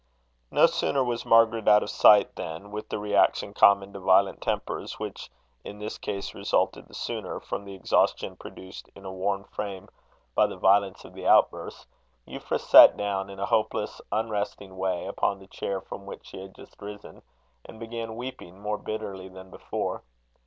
No sooner was Margaret out of sight, than, with the reaction common to violent tempers, which in this case resulted the sooner, from the exhaustion produced in a worn frame by the violence of the outburst, Euphra sat down, in a hopeless, unresting way, upon the chair from which she had just risen, and began weeping more bitterly than before.